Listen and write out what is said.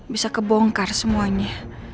bisa kebongkar semuanya